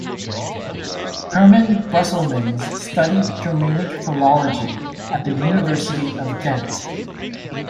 Herman Brusselmans studied Germanic philology at the University of Ghent.